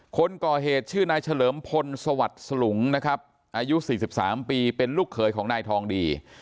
คนก่อเหตุชื่อนายเฉลิมพลสวัสดิ์สลุงนะครับอายุ๔๓ปีเป็นลูกเขยของนายทองดี